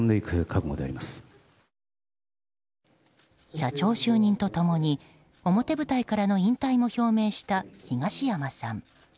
社長就任と共に表舞台からの引退も表明した東山さん。